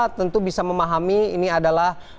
dan kita tentu bisa memahami ini adalah